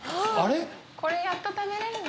これやっと食べれるの？